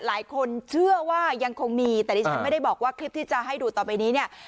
หลายคนเชื่อว่ายังคงมีแต่ดิฉันไม่ได้บอกว่าคลิปที่จะให้ดูต่อไปนี้เนี่ย